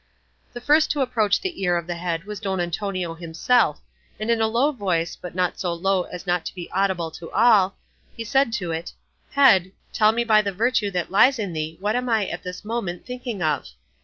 The first to approach the ear of the head was Don Antonio himself, and in a low voice but not so low as not to be audible to all, he said to it, "Head, tell me by the virtue that lies in thee what am I at this moment thinking of?"